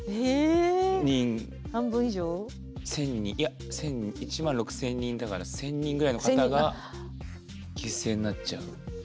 １，０００人いや１万６，０００人だから１，０００人ぐらいの方が犠牲になっちゃう？